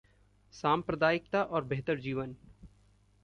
सांप्रदायिकता और बेहतर जीवन